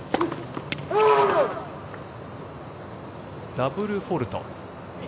ダブルフォールト。